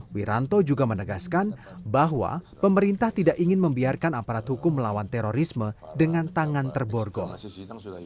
wiranto juga menegaskan bahwa pemerintah tidak ingin membiarkan aparat hukum melawan terorisme dengan tangan terborgong